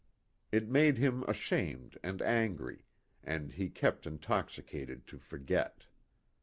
It made him ashamed and angry, and he kept intoxicated to forget.